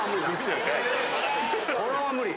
これは無理。